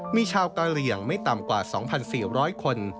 มีชาวกะเหลี่ยงไม่ต่ำกว่า๒๔๐๐คน